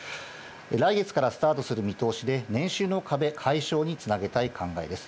来月からスタートする見通しで、年収の壁解消につなげたい考えです。